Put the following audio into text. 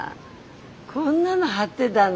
こんなの貼ってだの。